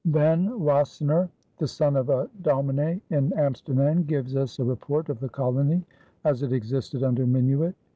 Van Wassenaer, the son of a domine in Amsterdam, gives us a report of the colony as it existed under Minuit.